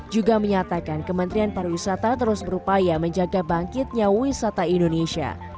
juga menyatakan kementerian pariwisata terus berupaya menjaga bangkitnya wisata indonesia